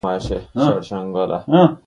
دا څوارلس پېړۍ مسلمانانو رنځ ګاللی.